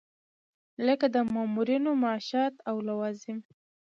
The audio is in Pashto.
لکه د مامورینو معاشات او لوازم.